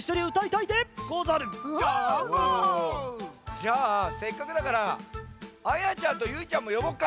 じゃあせっかくだからあやちゃんとゆいちゃんもよぼうか？